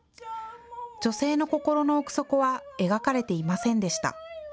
女性の心の奥底は描かれていませんでした。